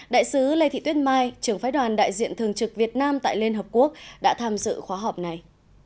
đại sứ lê thị tuyết mai trưởng phái đoàn đại diện thường trực việt nam tại liên hợp quốc đã tham dự khóa họp này